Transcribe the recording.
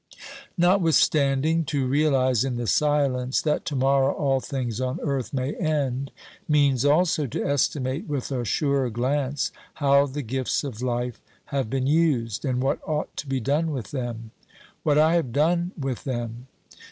Notwithstanding, to realise in the silence that to morrow all things on earth may end means also to estimate with a surer glance how the gifts of life have been used, and what ought to be done with them. What I have done with them